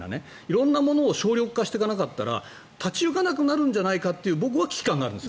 色んなものを省力化していかなかったら立ち行かなくなるんじゃないかという危機感があるんです。